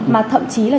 mà thậm chí là